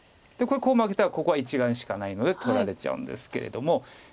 これコウ負けてはここは１眼しかないので取られちゃうんですけれども。